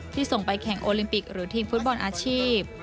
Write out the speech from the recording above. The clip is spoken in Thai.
ส่งไปแข่งโอลิมปิกหรือทีมฟุตบอลอาชีพ